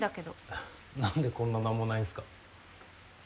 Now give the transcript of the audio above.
えっ何でこんな何もないんすか？